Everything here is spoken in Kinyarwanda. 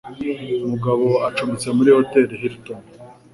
Mugabo acumbitse muri Hoteli Hilton.